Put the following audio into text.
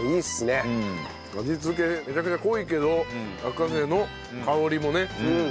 味付けめちゃくちゃ濃いけど落花生の香りもね。